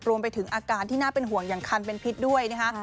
รวมไปถึงอาการที่น่าเป็นห่วงอย่างคันเป็นพิษด้วยนะคะ